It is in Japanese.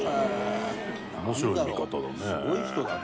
面白い見方だね。